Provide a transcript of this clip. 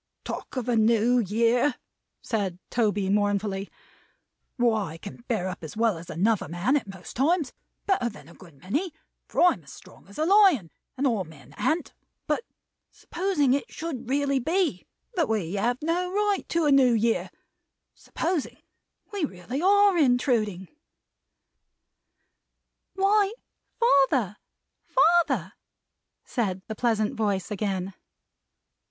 Talk of a New Year!" said Toby, mournfully. "I can bear up as well as another man at most times; better than a good many, for I am as strong as a lion, and all men an't; but supposing it should really be that we have no right to a New Year supposing we really are intruding " "Why, father, father!" said the pleasant voice again.